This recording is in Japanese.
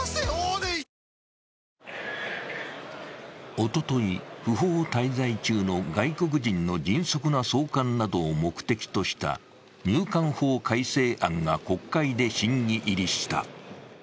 おととい、不法滞在中の外国人の迅速な送還などを目的とした入管法改正案が国会で審議入りした。